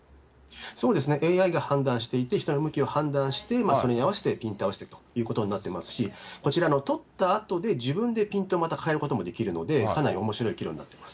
そうですね、ＡＩが判断していて、人の動きを判断して、それに合わせてピントを合わせていくということになってますし、こちら、撮ったあとで自分でピントを変えることもできるので、かなりおもしろい機能になっています。